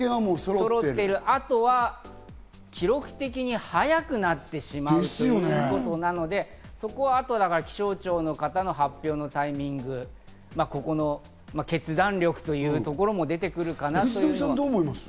あとは記録的に早くなってしまうということなので、気象庁の方の発表のタイミング、ここの決断力というところも出てくるかなと思います。